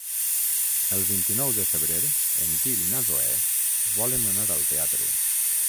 El vint-i-nou de febrer en Gil i na Zoè volen anar al teatre.